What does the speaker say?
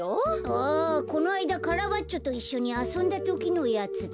あこのあいだカラバッチョといっしょにあそんだときのやつだ。